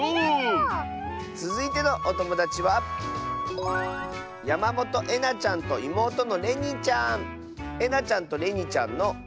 つづいてのおともだちはえなちゃんとれにちゃんの。